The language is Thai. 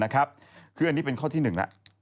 คืออันนี้เป็นข้อที่๑แล้ว